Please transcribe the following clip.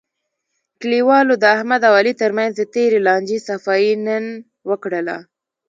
کلیوالو د احمد او علي ترمنځ د تېرې لانجې صفایی نن وکړله.